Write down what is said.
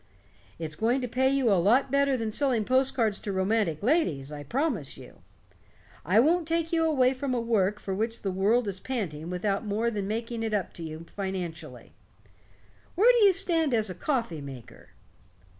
It's going to pay you a lot better than selling post cards to romantic ladies, I promise you. I won't take you away from a work for which the world is panting without more than making it up to you financially. Where do you stand as a coffee maker?"